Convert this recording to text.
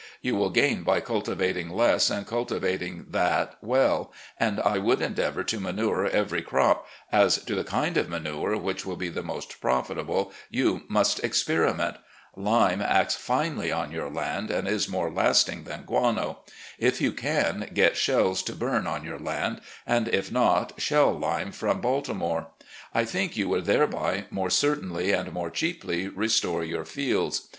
You will gain by cultivating less and cffitivating that well, and I would endeavour to manure every crop — as to the kind of manure which will be the most profitable, you must experiment. Lime acts finely on your land, and is more lasting than gfuano. If you can, get shells to bum on your land, or, if not, shell lime from Baltimore. I think you would thereby more certainly and more cheaply restore your fields.